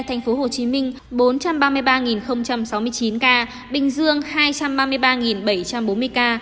thành phố hồ chí minh bốn trăm ba mươi ba sáu mươi chín ca bình dương hai trăm ba mươi ba bảy trăm bốn mươi ca